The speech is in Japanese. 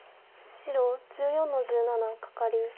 白１４の十七カカリ。